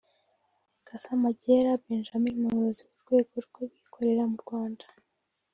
Gasamagera Benjamin umuyobozi w’urwego rw’abikorera mu Rwanda